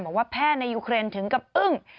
บอกว่าแพทย์ในยูเครนถึงกับอึ้ง